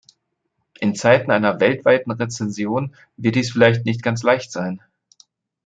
In Zeiten einer weltweiten Rezession wird dies vielleicht nicht ganz leicht sein.